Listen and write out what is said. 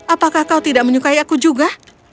apakah kau tidak menyukai aku juga